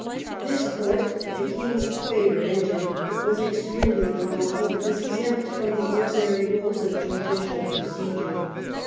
This court, the king's favourite engine, was extremely powerful, because exempt from the ordinary rules of judicial pro cedure.